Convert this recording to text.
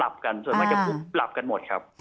กันส่วนมากจะปุ๊บหลับกันหมดครับ